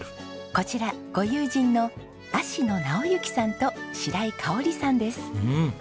こちらご友人の芦野直之さんと白井かおりさんです。